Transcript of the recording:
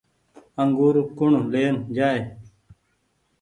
انگور ڪوڻ لين جآئي ۔